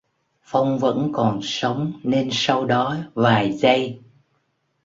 Phong vẫn còn sống nên sau đó vài giây